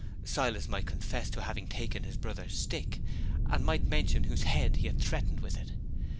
Silas might confess to having taken his brother's stick, and might mention whose head he had threatened with it.